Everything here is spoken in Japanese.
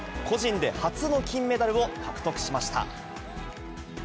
個人で初の金メダルを獲得しました。